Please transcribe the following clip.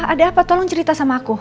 ada apa tolong cerita sama aku